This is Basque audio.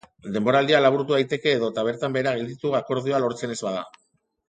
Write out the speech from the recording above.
Denboraldia laburtu daiteke edota bertan behera gelditu akordioa lortzen ez bada.